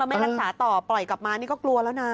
ไม่รักษาต่อปล่อยกลับมานี่ก็กลัวแล้วนะ